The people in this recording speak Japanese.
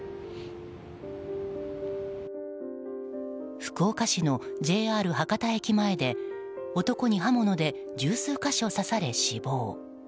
福岡市のＪＲ博多駅前で男に刃物で十数か所刺され、死亡。